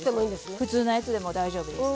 普通のやつでも大丈夫です。